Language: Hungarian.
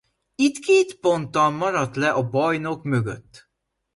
Itt két ponttal maradt le a bajnok mögött.